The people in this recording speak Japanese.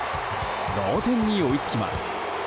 同点に追いつきます。